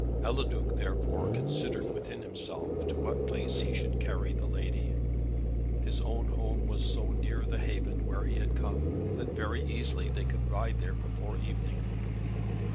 Eliduc, therefore, considered within himself to what place he should carry the lady. His own home was so near the haven where he had come, that very easily they could ride there before evening.